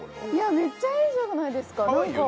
めっちゃいいじゃないですか。